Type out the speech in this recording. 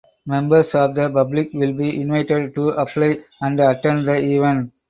Members of the public will be invited to apply and attend the event.